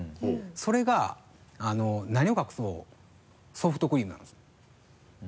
それが何を隠そうソフトクリームなんですよ。